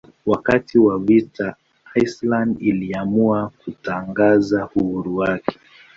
Wakati wa vita Iceland iliamua kutangaza uhuru wake.